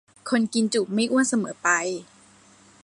คนกินจุไม่อ้วนเสมอไป